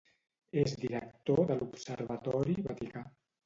És director de l’Observatori Vaticà.